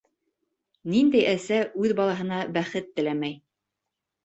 Ниндәй әсә үҙ балаһына бәхет теләмәй?